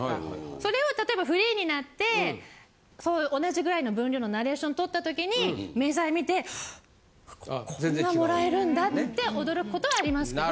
それを例えばフリーになって同じぐらいの分量のナレーションとったときに明細見て「ハッこんなもらえるんだ」って驚くことはありますけど。